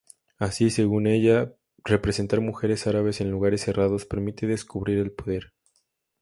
Así, según ella, representar mujeres árabes en lugares cerrados permite descubrir el poder.